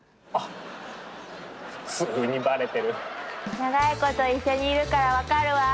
長いこと一緒にいるから分かるわ。